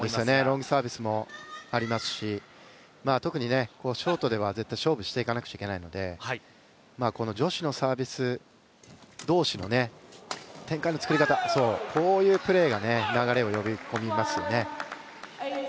ロングサービスもありますし特にショートでは勝負していかなくちゃいけないので女子のサービス同士の展開の作り方、こういうプレーが流れを呼び込みますよね。